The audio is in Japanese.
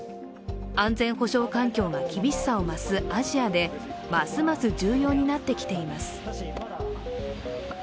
安全保障環境が厳しさを増すアジアでますます重要になってきています。